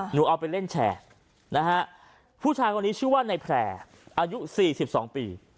หนูเอาไปเล่นแชร์ผู้ชายคนนี้ชื่อว่านายแพร่อายุ๔๒ปี